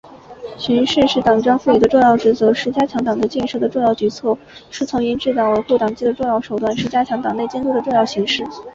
巡视是党章赋予的重要职责，是加强党的建设的重要举措，是从严治党、维护党纪的重要手段，是加强党内监督的重要形式。